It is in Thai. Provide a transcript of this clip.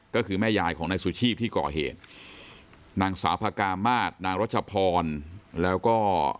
ก็คือแม่ยายของนายสุชีพที่ก่อเหตุนางสาวพระกามาศนางรัชพรแล้วก็